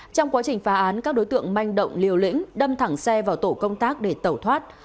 trong quá trình phá án các đối tượng manh động liều lĩnh đâm thẳng xe vào tổ công tác để tẩu thoát